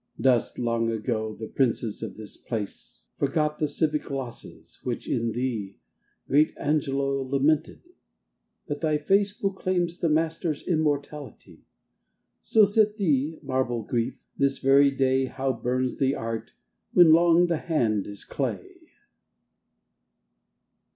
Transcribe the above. Dust, long ago, the princes of this place ; Forgot the civic losses which in thee Great Angelo lamented ; but thy face Proclaims the master's immortality! So sit thee, marble Grief ! this very day How burns the art when long the hand is clay